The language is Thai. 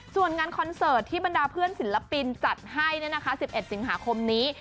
ส่วนงานคอนเสิร์ตที่บรรดาเพื่อนศิลปินจัดให้๑๑สิงหาคมนี้